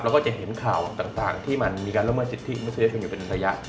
ก็จะเห็นข่าวต่างที่มันมีการละเมิดสิทธิมนุษยชนอยู่เป็นระยะ